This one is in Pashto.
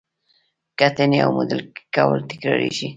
کتنې او موډل کول تکراریږي.